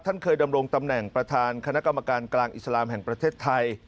เคยดำรงตำแหน่งประธานคณะกรรมการกลางอิสลามแห่งประเทศไทย